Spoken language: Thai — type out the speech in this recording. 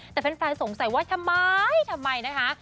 แต่แฟนสงสัยว่าทำไมทำไมนะคะ